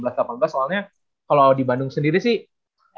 soalnya kalau di bandung sendiri sih